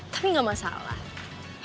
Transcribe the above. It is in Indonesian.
tapi gak masalah